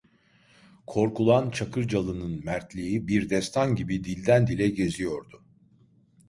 Korkulan Çakırcalı'nın mertliği, bir destan gibi dilden dile geziyordu.